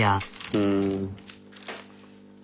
うん。